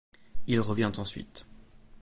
Il revient ensuite.